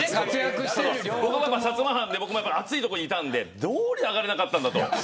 僕は薩摩藩で暑い所にいたんでどおりで上がれなかったんだと。